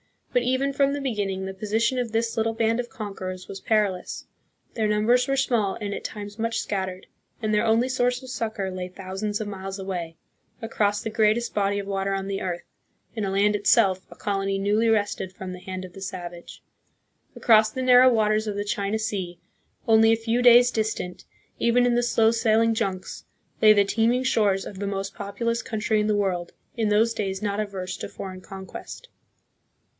But even from the beginning the position of this little band of conquerors was perilous. Their numbers were small and at times much scattered, and their only source of succor lay thousands of miles away, across the greatest body of water on the earth, in a land itself a colony newly wrested from the hand of the savage. Across the narrow waters of the China Sea, only a few days' distant, even in the slow sailing junks, lay the teeming shores of the most populous country in the world, in those days not averse to foreign conquest.